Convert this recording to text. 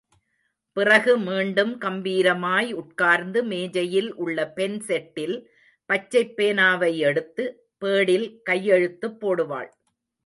பிறகு மீண்டும் கம்பீரமாய் உட்கார்ந்து, மேஜையில் உள்ள பென் செட்டில் பச்சைப் பேனாவை எடுத்து, பேடில் கையெழுத்துப் போடுவாள்.